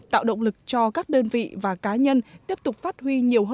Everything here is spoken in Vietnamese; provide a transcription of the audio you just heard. tạo động lực cho các đơn vị và các công ty